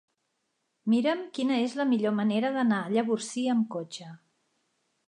Mira'm quina és la millor manera d'anar a Llavorsí amb cotxe.